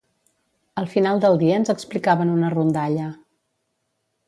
Al final del dia ens explicaven una rondalla